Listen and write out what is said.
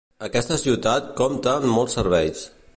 Aquesta ciutat compta amb molts serveis.